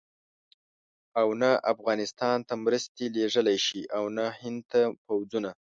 او نه افغانستان ته مرستې لېږلای شي او نه هند ته پوځونه.